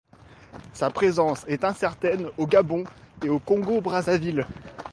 Sa présence est incertaine au Gabon et au Congo-Brazzaville.